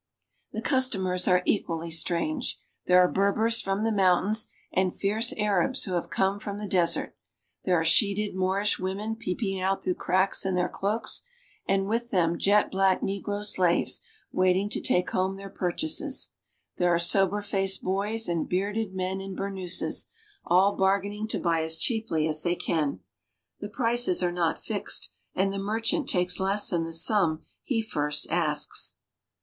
The customers are equally strange. There are Berbers from the mountains and fierce Arabs who have come from the desert ; there are sheeted Moorish women peeping out through cracks in their cloaks, and with them jet black negro slaves waiting to take home their purchases ; there are sober faced boys and bearded men in burnouses, all bargaining to buy as cheaply as they can. The prices are not fixed, and the merchant takes less than the sum he first asks.